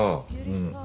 うん。